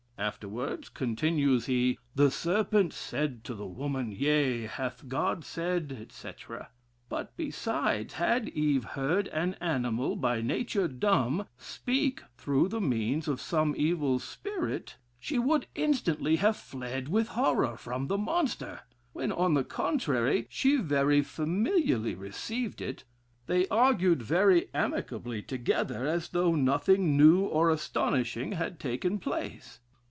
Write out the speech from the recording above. Afterwards, continues he: 'The serpent said to the woman, yea, hath God said,' etc. But besides, had Eve heard an animal, by nature dumb, speak through the means of some evil spirit, she would instantly have fled with horror from the monster. When, on the contrary, she very familiarly received it; they argued very amicably together, as though nothing new or astonishing had taken place.